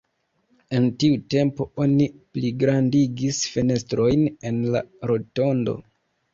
En tiu tempo oni pligrandigis fenestrojn en la rotondo.